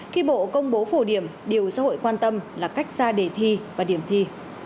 khi bộ công bố phổ điểm điều xã hội quan tâm là cách ra đề thi và điểm thi